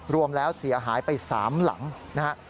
รวมแล้วเสียหายไป๓หลังนะครับ